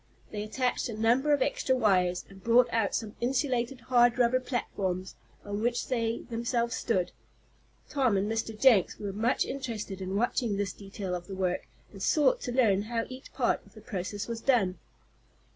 They attached a number of extra wires, and brought out some insulated, hard rubber platforms, on which they themselves stood. Tom and Mr. Jenks were much interested in watching this detail of the work, and sought to learn how each part of the process was done.